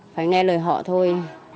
phải nghe lời họ thôi